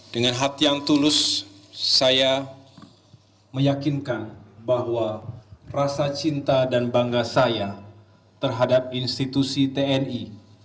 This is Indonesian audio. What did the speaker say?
dengan hati yang tulus saya meyakinkan bahwa rasa cinta dan bangga saya terhadap institusi tni